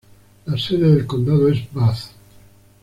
La sede del condado es Bath.